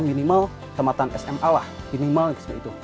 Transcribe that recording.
minimal tempatan sma lah minimal seperti itu